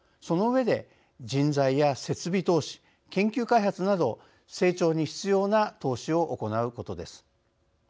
その上で、人材や設備投資研究開発など成長に必要な投資を行うことです。